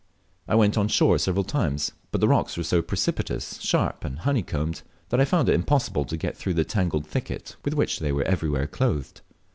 I went on shore several times, but the rocks were so precipitous, sharp, and honeycombed, that I found it impossible to get through the tangled thicket with which they were everywhere clothed.